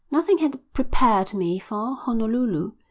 Nothing had prepared me for Honolulu.